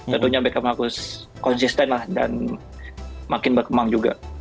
tentunya beckham harus konsisten lah dan makin berkembang juga